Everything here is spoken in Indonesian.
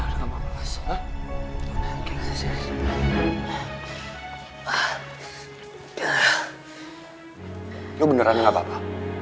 aduh beneran gak apa apa